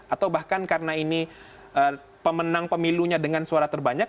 atau bahkan karena ini pemenang pemilunya dengan suara terbanyak